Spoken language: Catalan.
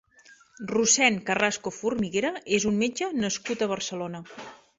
Rossend Carrasco Formiguera és un metge nascut a Barcelona.